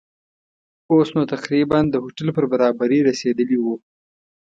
اوس نو تقریباً د هوټل پر برابري رسېدلي وو.